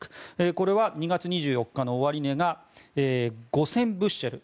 これは２月２４日の終値が５０００ブッシェル。